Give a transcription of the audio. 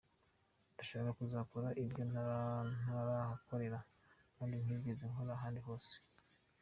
Ndashaka kuzakora ibyo ntarahakora kandi ntigeze nkora ahandi hose.